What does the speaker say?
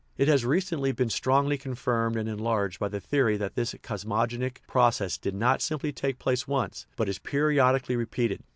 It has recently been strongly confirmed and enlarged by the theory that this cosmogonic process did not simply take place once, but is periodically repeated.